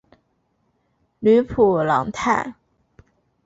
吕普朗泰。